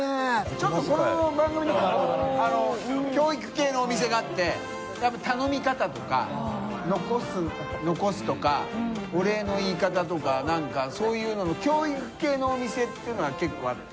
ちょっとこの番組があってやっぱ頼み方とか残すとかお礼の言い方とかなんかそういうのの教育系のお店っていうのが結構あって。